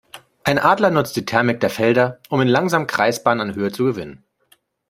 Ein Adler nutzt die Thermik der Felder, um in langsamen Kreisbahnen an Höhe zu gewinnen.